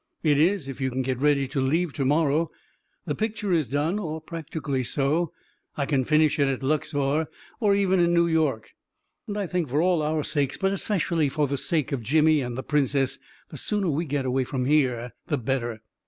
" It is if you can get ready to leave to morrow. The picture is done — or practically so; I can fin ish it at Luxor, or even in New York. And I think for all our sakes — but especially for the sake of Jimmy and the Princess — the sooner ^e get away from here the better."